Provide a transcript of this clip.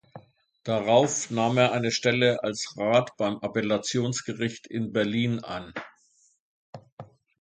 Darauf nahm er eine Stelle als Rat beim Appellationsgericht in Berlin an.